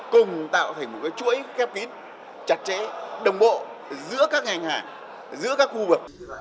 cùng tạo thành một chuỗi khép kín chặt chẽ đồng bộ giữa các ngành hàng giữa các khu vực